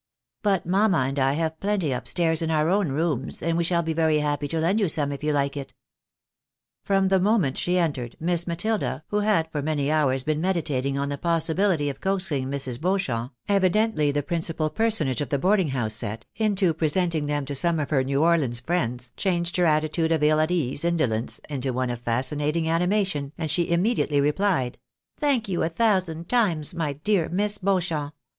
But mamma and I have plenty up stairs in our own rooms, and we shall be very happy to lend you some if you Mke it." From the moment she entered, Miss Matilda, who had for many hours been meditating on the possibihty of coaxing Mrs. Beauchamp (evidently the principal personage of the boarding house set) into presenting them to some of her New Orleans friends, changed her attitude of ill at ease indolence, into one of fascinating animation, and she immediately rephed — "Thank you a thousand times, my dear Miss Beauchamp.